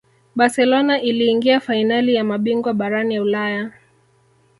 barcelona iliingia fainali ya mabingwa barani ulaya